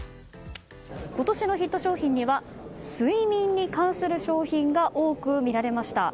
今年のヒット商品は睡眠に関する商品が多く見られました。